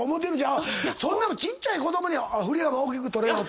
そんなのちっちゃい子供に「振り幅大きく取れよ」とか。